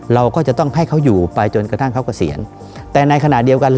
เราก็จะต้องให้เขาอยู่ไปจนกระทั่งเขาเกษียณแต่ในขณะเดียวกัน